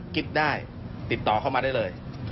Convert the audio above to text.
คิดได้ติดต่อเข้ามาได้เลย